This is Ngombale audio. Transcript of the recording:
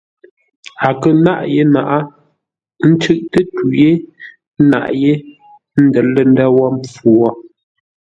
A kə̂ nâʼ yé naʼá, ə́ ncʉʼtə́ tû ye ńnaʼ yé, ə́ ndə̂r lə̂ ndə̂ wə̂ mpfu wo.